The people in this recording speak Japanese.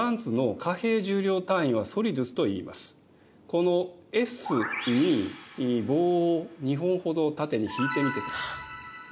この「Ｓ」に棒を２本ほど縦に引いてみてください。